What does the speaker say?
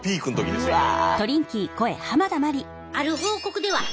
うわ。